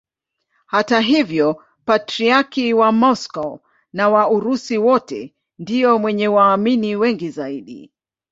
Hata hivyo Patriarki wa Moscow na wa Urusi wote ndiye mwenye waamini wengi zaidi.